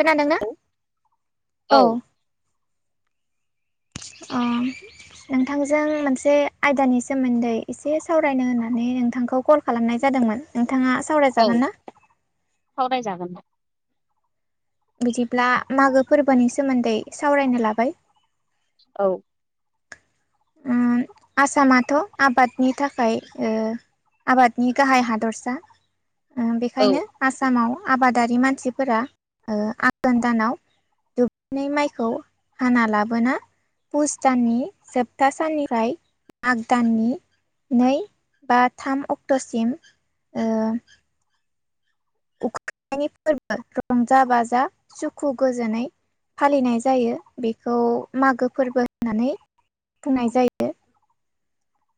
खोनादोंना औ औ ओ नोंथांजों मोनसे आयदानि सोमोन्दै एसे सावरायनो होननानै नोंथांखौ कल खालामनाय जादोंमोन नोंथां औ सावरायजागोन ना सावरायजागोन बिदिब्ला मागौ फोरबोनि सोमोन्दै सावरायनो लाबाय औ आसामाथ' आबादनि थाखाय ओ आबादनि गाहाय हादरसा ओ औ बेखायनो आसामाव आबादारि मानसिफोरा ओ आघोन दानाव दुब्लिनि माइखौ हाना पुस दाननि सोबथा साननिफ्राय माग दाननि नै बा थाम अक्ट'सिम ओ उखैनायनि फोरबो रंजा बाजा सुखु गोजोनै फालिनाय जायो बेखौ मागो फोरबो होननानै बुंनाय जायो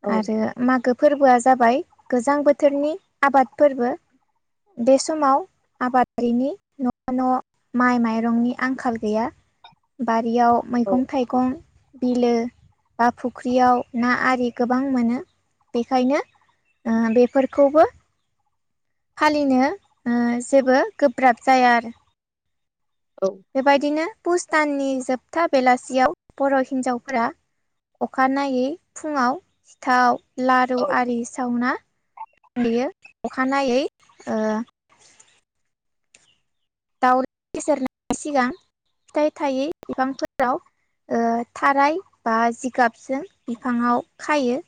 औ आरो मागो फोरबोआ जाबाय गोजां बोथोरनि आबाद फोरबो बे समाव आबादारिनि न' न' माइ माइरंनि आंखाल गैया बारियाव औ मैगं थाइगं बिलो बा फुख्रियाव ना आरि गोबां मोनो बेखायनो बेफोरखौबो फालिनो जेबो गोब्राब जाया आरो औ बेबायदिनो भुस दाननि जोबथा बेलासियाव बर' हिन्जावफोरा अखानाययै फुङाव थाव लारु औ आरि सावना हयो अखानायै दाउ बेसेेरनायनि सिगां फिथाइ थायै बिफांफोराव थाराय बा जिगाबजों बिफांङाव खायो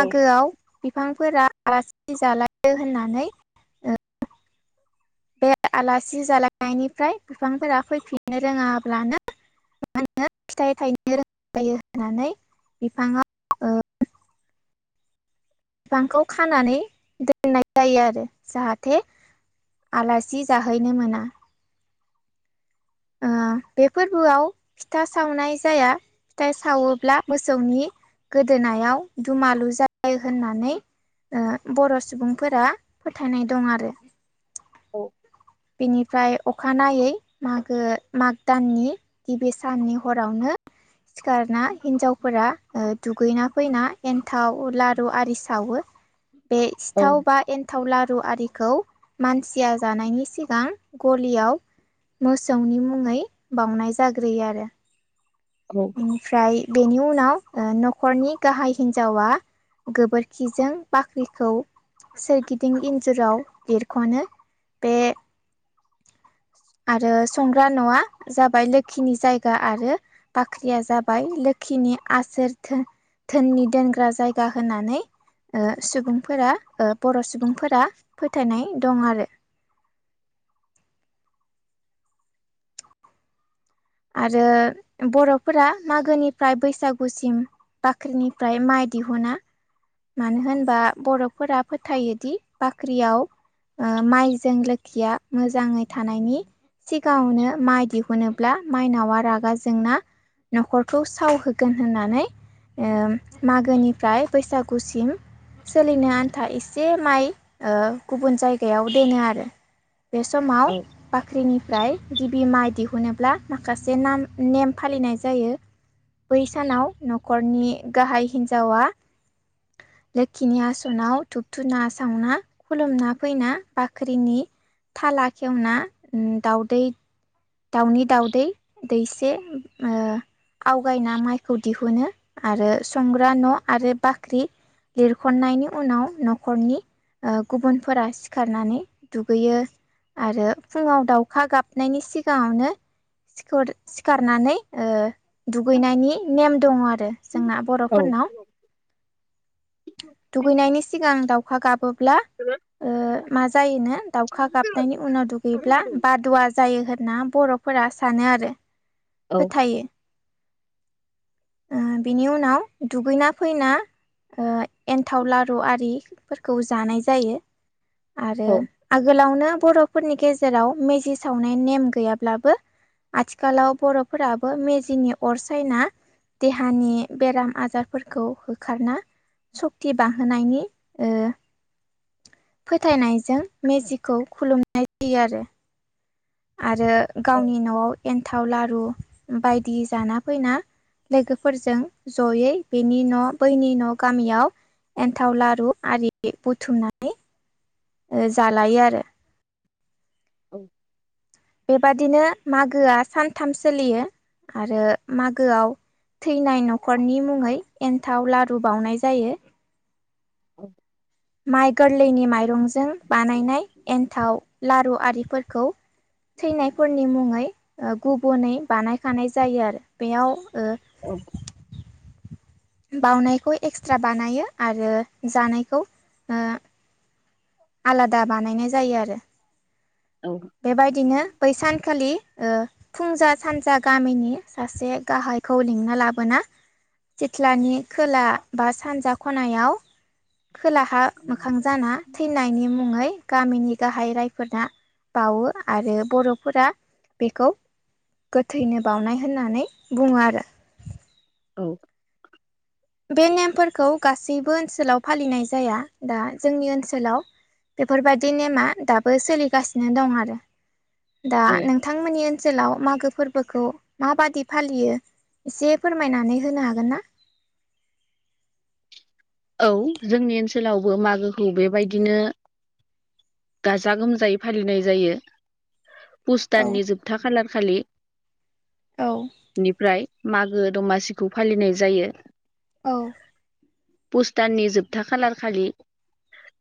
औ बिफांफोरा आलासि जालायो होननानै ओ बे आलासि जालायनायनिफ्राय बिफांफोरा फैफिननो रोङाब्लानो मा होनो फिथाइ थायनो रों [inaudible] जायो होननानै बिफाङाव बिफांखौ खानानै दोन्नाय जायो आरो जाहाते आलासि जाहैनो मोना बे फोरबोआव फिथा सावनाय जाया फिथा सावोब्ला मोसौनि गोदोनायाव दुमालु जायो होननानै ओ बर' सुबुंफोरा फोथाय नाय दं आरो [inaudible] बनिफ्राय अखानायै मागो माग दाननि गिबि साननि हरावनो सिखारना हिन्जावफोरा ओ दुगैना फैना एन्थाव लारु आरि सावो बे औ सिथाव बा एन्थाव लारु आरिखौ मानसिया जानायनि सि गां गलियाव मोसौनि मुङै बावनाय जाग्रोयो आरो औ आमफ्राय बेनि उनाव न'खरनि गाहाय हिन्जावा गोबोरखिजों बाख्रिखौ सोरगिदिं इन्जुराव लिरख'नो बे आरो संग्रा न'आ जाबाय लोखिनि जायगा आरो बाख्रिया जाबाय लोखिनि आसोर थोन धोननि दोनग्रा जायगा होनानै ओ सुबुंफोरा ओ बर' सुबुंफोरा फोथायनाय दं आरो आरो बर'फोरा मागोनिफ्राय बैसागुसिम बाख्रिनिफ्राय माइ दिहुना मानो होनबा बर'फोरा फोथायोदि बाख्रियाव ओ माइजों लोखिया मोजाङै थानायनि सिगाङावनो माइ दिहुनो ब्ला माइनावा रागा जोंना न'खरखौ सावहोगोन होननानै ओ मागोनिफ्राय बैसागु गुसिम सोलिनो आन्था एसे माइ ओ गुबुन जायगायाव दोनो आरो बे समाव बाख्रिनिफ्राय गिबि माइ दिहुनोब्ला माखासे नाम नेम फालिनाय जायो बै सानाव न'खरनि गाहाय हिन्जावा लोखिनि आसनाव धुुबधुना सावना खुलुमना फैना बाख्रिनि थाला खेवना दाउदै दाउनि दावदै दैसे ओ आवगायनाय माइखौ दिहुनो आरो संग्रा न' आरो बाख्रि लिरख'नायनि उनाव न'खरनि ओ गुबुनफोरा सिखारनानै दुगैयो आरो फुङाव दाउखा गाबनायनि सि सिगाङावनो सिखर सिखारनानै ओ दुगैनायनि नेम दङ आरो जोंना बर'फोरनाव दुगैनायनि सिगां दाउखा गाबोब्ला मा जायोनो दाउखा गाबनायनि उनाव औ दुगैब्ला बादुवा जायो होन ना बर'फोरा सानो आरो औ फोथायो [inaudible] ओ बिनि उनाव दुगैना फैना एन्थाव लारु आरिफोरखौ जानाय जायो। आरो आगोलावनो बर'फोरनि गेजेराव मेजि सावनाय नेम गैयाब्लाबो आथिखालाव बर'फोराबो मेजिनि अर सायना देहानि बेराम आजारफोरखौ होखारनाा सक्ति बाहोनायनि फोथायनायजों मेजिखौ खुलुमनाय जायो आरो आरो गावनि न'आव एन्थाव लारु बायदि जाना फैना लोगोफोरजों जयै बेनि न' बैनि न' गामियाव एन्थाव लारु आरि बुथुमनानै जालायो आरो औ बेबादिनो मागोआ सानथाम सोलियो आरो मागोआव थैनाय न'खरनि मुङै एन्थाव लारु बावनाय जायो औ माइ गोरलैनि माइरंजों बानायनाय एन्थाव लारु आरिफोरखौ थैनायफोरनि मुङै गुबुनै बानायखानाय जायो आरो बेयाव औ बावउनायखौ एक्सट्रा बानायो आरो जानायखौ आलादा बानायनाय जायो आरो। औ बे बादिनो बै सानखालि ओ फुंजा सानजा गामिनि सासे गाहायखौ लिंना लाबोना सिथ्लानि खोला बा सानजा खनायाव खोला मोखां जाना थैनायनि मुङै गामिनि गाहाय रायफोरना बावो आरो बर'फोरा बेखौ गोथैनो बावनाय होननानै बुङो आरो। औ बे नेमफोरखौ गासैबो ओनसोलाव फालिनाय जाया दा जोंनि ओनसोलाव बेफोरबायदि नेमा दाबो सोलिगासिनो दं आरो दा नोंथांमोननि ओनसोलाव मागो फोरबोखौ माबादि फालियो एसे फोरमायनानै होनो हागोन ना? औ जोंनि ओनसोलावबो मागोखौ बेबायदिनो गाजा गोमजायै फालिनाय जायो। पुस दाननि औ जोबथा खालारखालि। औ निफ्राय मागो दमासिखौ फालिनाय जायो। औ पुष दाननि जोबथा खालार खालि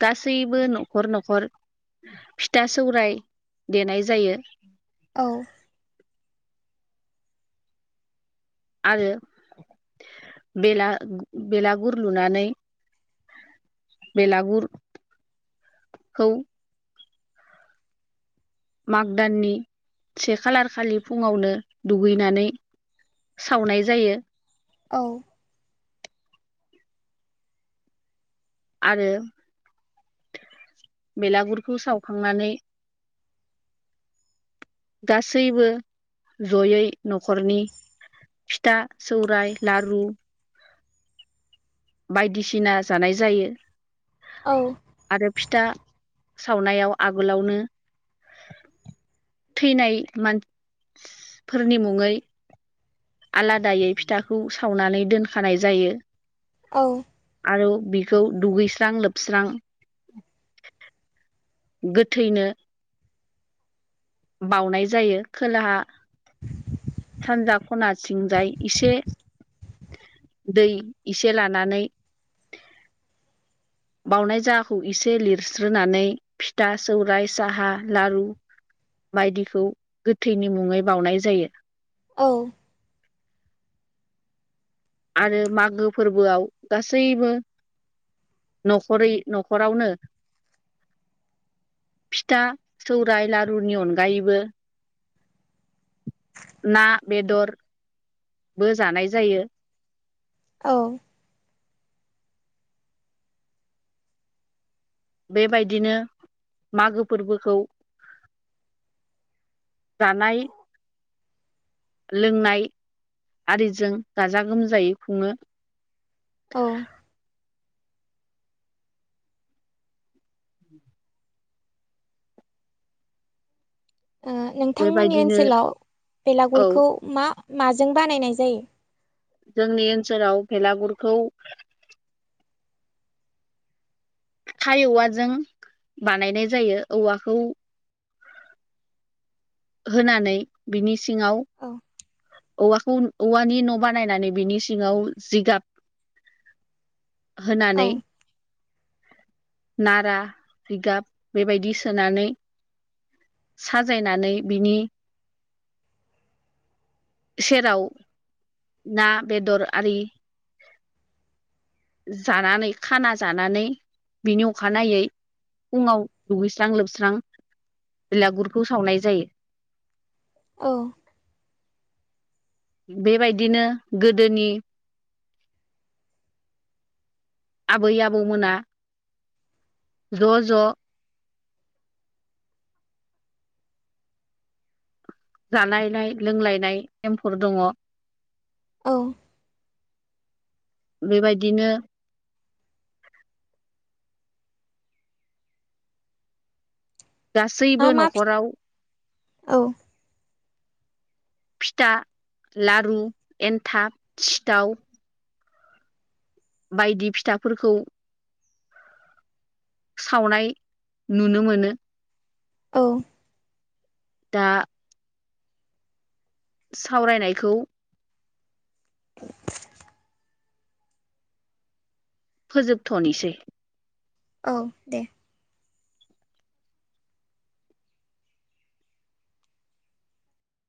गासैबो न'खर न'खर-' फिथा सौराय देनाय जायो। औ आरो बेला बेलागुर लुनानै बेलागुर खौ माग दाननि से खालार खालि फुङावनो दुगैनानै सावनाय जायो। औ आरो बेलागुरखौ सावखांनानै गासैबो ज'यै न'खरनि फिथा सौराइ लारु बायदिसिना जानाय जायो औ आरो फिथा सावनायाव आगोलावनो थैनाय मानसिफोरनि मुङै आलादायै फिथाखौ सावनानै दोनखानाय जायो औ आरो बिखौ दुगैस्रां लोबस्रां गोथैनो बावनाय जायो खोलाहा सानजा खनाथिंजाय इसे दै एसे लानानै बावनाय जाहाखौ इसे लिरस्रोनानै फिथा सौराइ साहा लारु बायदिखौ गोथैनि मुङै बावनाय जायो औ आरो मागो फोरबोआव गासैबो न'खरै न'खरावनो फिथा सौराइ लारुनि अनगायैबो ना बेदरबो जानाय जायो औ बे बायदिनो मागो फोरबोखौ जानाय लोंनाय आरिजों गाजा गोमजायै खुङो औ ओ नोंथांमोननि बेबायदिनो ओनसोलाव औ बेलागुरखौ मा माजों बानायनाय जायो जोंनि ओनसोलाव बेलागुरखौ थाइ औवाजों बानायनाय जायो औवाखौ होनानै बिनि सिङाव औ औवाखौ औवानि न' बानायनानै बिनि सिङाव जिगाब औ होनानै नारा जिगाब बेबायदि सोनानै साजायनानै बिनि सेराव ना बेदर आरि जानानै खाना जानानै बिनि अखानायै फुङाव दुगैस्रां लोबस्रां बिलागुरखौ सावनाय जायो औ बेबायदिनो गोदोनि आबै आबौमोना ज' ज' जानायनाय लोंलायनाय नेमफोर दङ औ बेबायदिनो मा गासैबो मा फि न'खराव औ फिथा लारु एनथाब सिथाव बायदि फिथाफोरखौ सावनाय नुनो मोनो। औ। दा। सावरायनायखौ। फोजोबथ'निसै। औ दे।